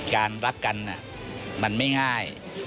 รักกันมันไม่ง่าย